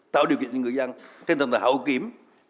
tạo điều kiện cho người dân trên tầng hậu kiểm